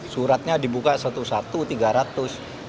suratnya dibuka satu satu tiga ratus